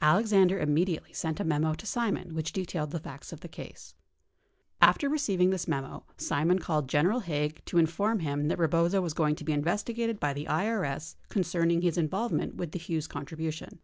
Alexander im mediately sent a memo to Simon which detailed the facts of the case. After receiving this memo, Simon called General Haig to inform him that Eebozo was going to be investigated by the IES concerning his involvement with the Hughes contribution.